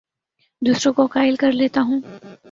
دوسروں کو قائل کر لیتا ہوں